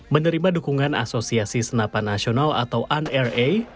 menerima dukungan asosiasi senapan nasional atau nra